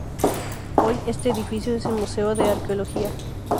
Hoy, este edificio es el Museo de Arqueología.